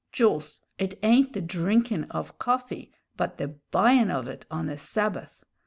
"Jools, it ain't the drinkin' of coffee, but the buyin' of it on a Sabbath.